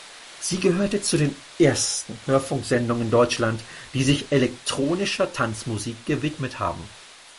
Sie gehörte zu den ersten Hörfunksendungen in Deutschland, die sich elektronischer Tanzmusik gewidmet haben.